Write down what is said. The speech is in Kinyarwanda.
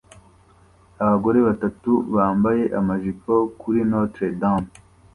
Abagore batatu bambaye amajipo kuri Notre Dame